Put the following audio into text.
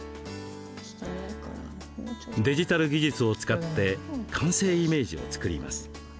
デジタル技術を使って完成イメージを作ります。